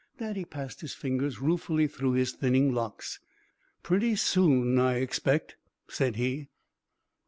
Daddy passed his fingers ruefully through his thinning locks. "Pretty soon, I expect," said he.